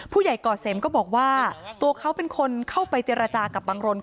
ก่อเสมก็บอกว่าตัวเขาเป็นคนเข้าไปเจรจากับบังรน